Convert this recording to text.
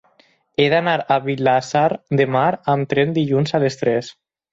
He d'anar a Vilassar de Mar amb tren dilluns a les tres.